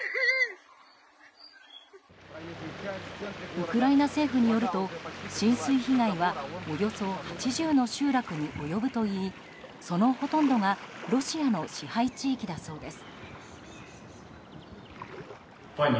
ウクライナ政府によると浸水被害はおよそ８０の集落に及ぶといいそのほとんどがロシアの支配地域だそうです。